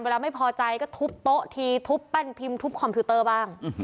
ไม่พอใจก็ทุบโต๊ะทีทุบแป้นพิมพ์ทุบคอมพิวเตอร์บ้าง